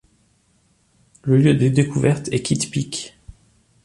Le lieu de découverte est Kitt Peak.